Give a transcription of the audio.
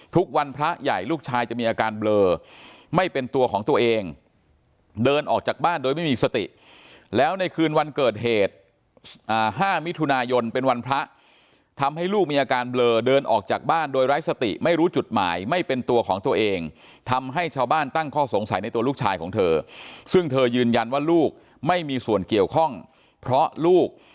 ทุกวันพระใหญ่ลูกชายจะมีอาการเบลอไม่เป็นตัวของตัวเองเดินออกจากบ้านโดยไม่มีสติแล้วในคืนวันเกิดเหตุ๕มิถุนายนเป็นวันพระทำให้ลูกมีอาการเบลอเดินออกจากบ้านโดยไร้สติไม่รู้จุดหมายไม่เป็นตัวของตัวเองทำให้ชาวบ้านตั้งข้อสงสัยในตัวลูกชายของเธอซึ่งเธอยืนยันว่าลูกไม่มีส่วนเกี่ยวข้องเพราะลูก